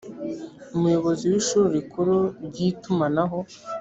umuyobozi w ishuri rikuru ry itumanaho